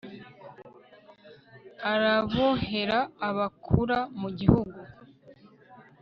arabohera abakura mu gihugu